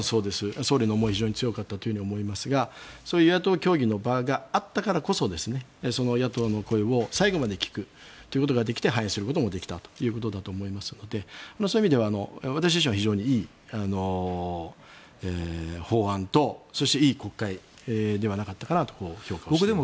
総理の思いは非常に強かったと思いますがそういう野党協議の場があったからこそその野党の声を最後まで聞くということができて反映することができたということだと思いますのでそういう意味では私自身は非常にいい法案とそしていい国会ではなかったかと評価をしています。